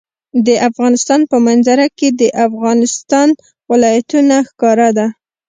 د افغانستان په منظره کې د افغانستان ولايتونه ښکاره ده.